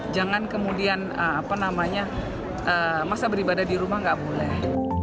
jangan kemudian masa beribadah di rumah nggak boleh